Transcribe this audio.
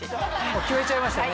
決めちゃいましたね。